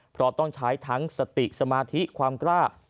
เพราะต้องใช้ทั้งสติสมาธิความกล้า